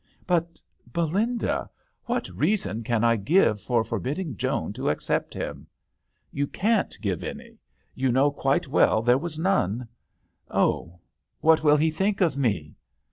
" But, Belinda, what reason can I give for forbidding Joan to accept him ?"" You can't give any. You know quite well there was none." " Oh 1 what will he think of me?"